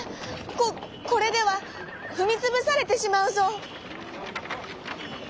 ここれではふみつぶされてしまうぞ」。